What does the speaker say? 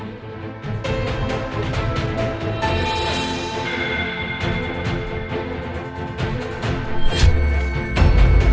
aku ingin memperkenalkanmu